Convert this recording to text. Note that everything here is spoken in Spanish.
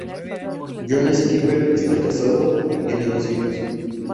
John Skipper está casado y tiene dos hijos.